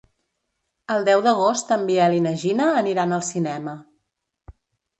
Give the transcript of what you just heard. El deu d'agost en Biel i na Gina aniran al cinema.